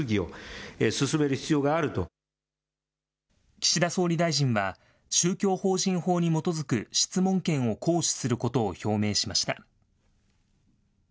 岸田総理大臣は宗教法人法に基づく質問権を行使することを表明しました。